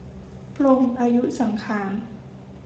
ปลงอายุสังขาร